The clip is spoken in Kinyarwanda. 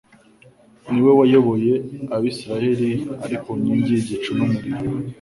Ni we wayoboye abisiraeli ari mu nkingi y'igicu n'umuriro.